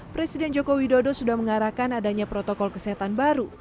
presiden joko widodo sudah mengarahkan adanya protokol kesehatan baru